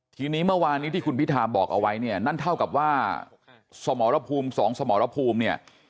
ทีนี้เมื่อวานนี้ที่คุณพิธาบอกเอาไว้เนี่ยนั่นเท่ากับว่าสมรภูมิสองสมรภูมิเนี่ย